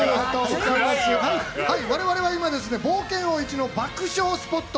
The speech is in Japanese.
我々は今冒険王イチの爆笑スポット